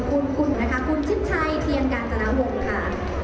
คุณนะคะคุณชิดชัยเทียนกาญจนวงค่ะ